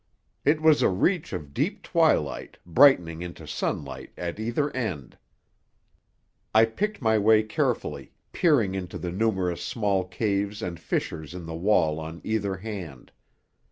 It was a reach of deep twilight, brightening into sunlight at either end. I picked my way carefully, peering into the numerous small caves and fissures in the wall on either hand.